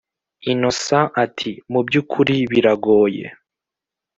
innocent ati”mubyukuri biragoye